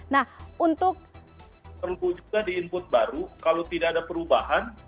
nah untuk perlu juga di input baru kalau tidak ada perubahan